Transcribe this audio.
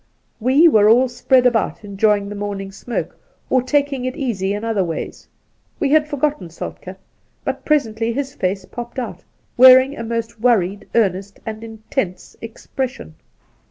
We were all spread about enjoying the morning smoke, or taking it easy in other ways. We had forgotten Soltk^, but presently his face popped out, wearing a most worried, earnest, and intense expression.